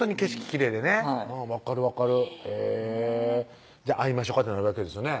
きれいでねはい分かる分かるへぇじゃあ会いましょかってなるわけですよね